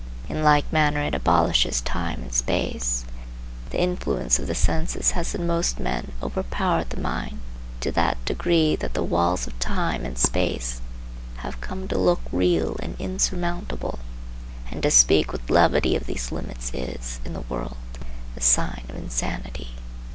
In like manner it abolishes time and space. The influence of the senses has in most men overpowered the mind to that degree that the walls of time and space have come to look real and insurmountable; and to speak with levity of these limits is, in the world, the sign of insanity.